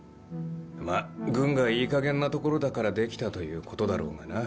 まあ軍がいいかげんな所だからできたということだろうがな。